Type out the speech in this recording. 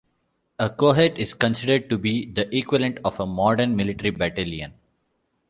A cohort is considered to be the equivalent of a modern military battalion.